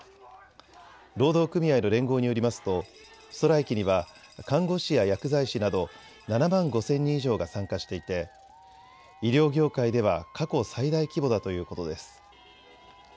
労働組合の連合によりますとストライキには看護師や薬剤師など７万５０００人以上が参加していて医療業界では過去最大規模だということです。